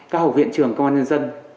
các học viện trường công an nhân dân